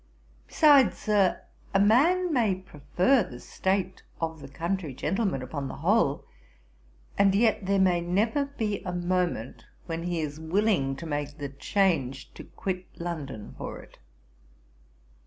Besides, Sir, a man may prefer the state of the country gentleman upon the whole, and yet there may never be a moment when he is willing to make the change to quit London for it.'